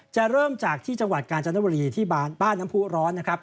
จะเริ่มจากที่จังหวัดกาญจนบุรีที่บ้านน้ำผู้ร้อนนะครับ